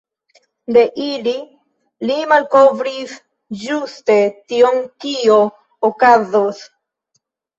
De ili li malkovris ĝuste tion kio okazos.